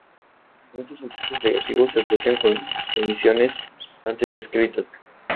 Muchos impactos negativos se asocian con las condiciones antes descritas.